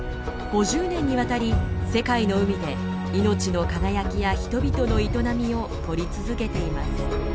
５０年にわたり世界の海で命の輝きや人々の営みを撮り続けています。